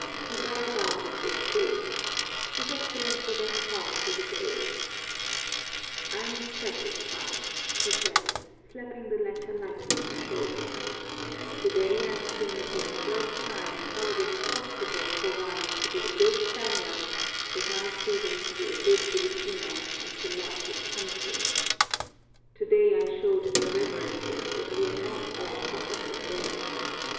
Ibarra bowed and withdrew. His Excellency then called to his aide. "I'm satisfied," he said, slapping the latter lightly on the shoulder. "Today I've seen for the first time how it is possible for one to be a good Spaniard without ceasing to be a good Filipino and to love his country. Today I showed their Reverences that we are not all puppets of theirs.